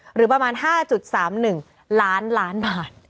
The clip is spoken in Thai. หรือประมาณ๕๓๑ล้านล้านบาท